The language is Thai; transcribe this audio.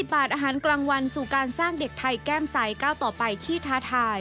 บาทอาหารกลางวันสู่การสร้างเด็กไทยแก้มใสก้าวต่อไปที่ท้าทาย